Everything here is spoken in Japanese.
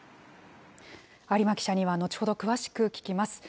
有馬記者には後ほど詳しく聞きます。